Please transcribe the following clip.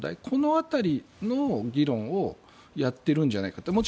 この辺りの議論をやっているんじゃないかと。